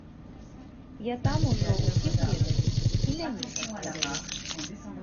Я там ужо ўсіх ведаю, і мяне там ведаюць.